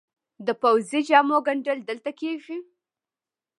د پوځي جامو ګنډل دلته کیږي؟